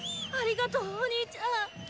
ありがとうお兄ちゃん。